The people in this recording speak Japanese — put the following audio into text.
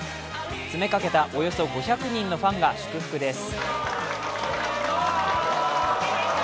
詰めかけたおよそ５００人のファンが祝福です。